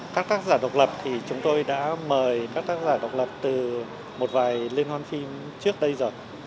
các tác giả độc lập thì chúng tôi đã mời các tác giả độc lập từ một vài liên hoan phim trước đây rồi